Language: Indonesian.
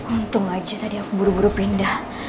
untung aja tadi aku buru buru pindah